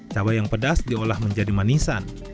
cabai yang pedas diolah menjadi manisan